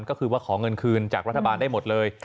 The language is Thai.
ก็คือว่าขอเงินคืนจากรัฐบาลได้หมดเลย